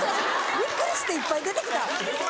びっくりしていっぱい出てきた。